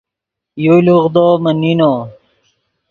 یو لوغدو من نینو